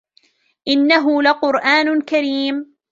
إِنَّهُ لَقُرْآنٌ كَرِيمٌ